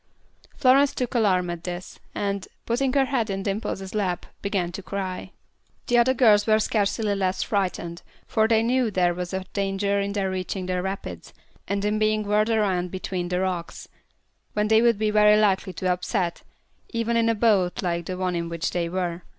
Florence took alarm at this, and, putting her head in Dimple's lap, began to cry too. The older girls were scarcely less frightened, for they knew there was a danger in their reaching the rapids, and in being whirled around between the rocks, when they would be very likely to upset, even in a boat like the one in which they were.